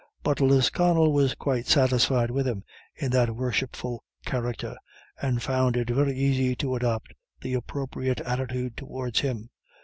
But Lisconnel was quite satisfied with him in that worshipful character, and found it very easy to adopt the appropriate attitude towards him.